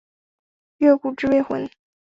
越谷治未婚。